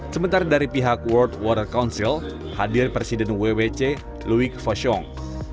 sementara dari pihak world water council hadir presiden wwc louis hosyong